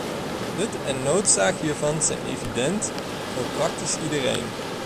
Nut en noodzaak hiervan zijn evident voor praktisch iedereen.